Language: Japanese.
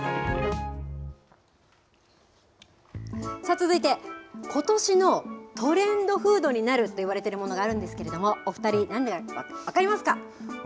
続いて、ことしのトレンドフードになるっていわれているものがあるんですけど、お２人、なんだか分かりますか？